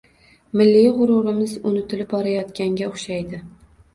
Milliy g‘ururimiz unutilib borayotganga o‘xshaydi.